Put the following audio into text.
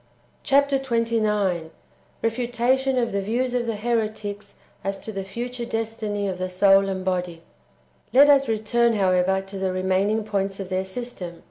Chap. xxix. — Refutation of the vietvs of the heretics as to the future destiny of the soul and body. 1. Let us return, however, to the remaining points of their system.